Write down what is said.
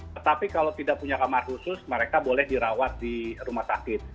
tetapi kalau tidak punya kamar khusus mereka boleh dirawat di rumah sakit